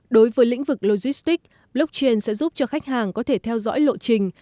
đối với lĩnh vực logistics blockchain sẽ giúp cho khách hàng có thể theo dõi lộ trình